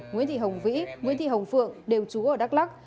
nguyễn thị hồng vĩ nguyễn thị hồng phượng đều trú ở đắk lắc